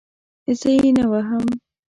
زه یې نه وهم.